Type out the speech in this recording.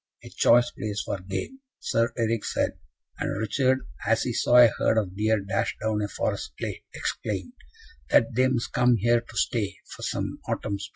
"A choice place for game," Sir Eric said and Richard, as he saw a herd of deer dash down a forest glade, exclaimed, "that they must come here to stay, for some autumn sport."